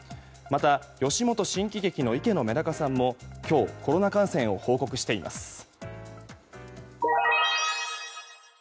また、吉本新喜劇の池乃めだかさんも今日、コロナ感染を報告しています。